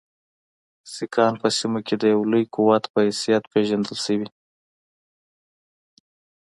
سیکهان په سیمه کې د یوه لوی قوت په حیث پېژندل شوي.